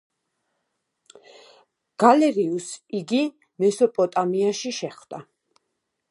გალერიუსს იგი მესოპოტამიაში შეხვდა.